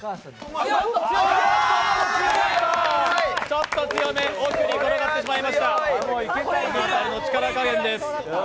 ちょっと強め、奥に転がってしましました、力加減です。